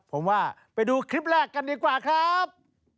ผมว่าไปดูคลิปแรกกันดีกว่าครับ